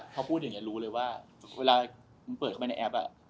เขาพูดอย่างนี้รู้เลยว่าเวลามึงเปิดเข้าไปในแอป